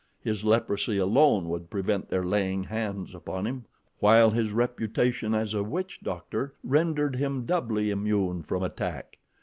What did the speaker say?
His leprosy alone would prevent their laying hands upon him, while his reputation as a witch doctor rendered him doubly immune from attack.